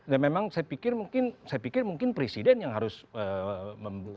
nah memang saya pikir mungkin presiden yang harus membantu